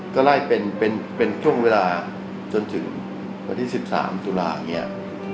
ก็ไล่เป็นช่วงเวลาจนถึงวันที่๑๓ตุลาเนี่ย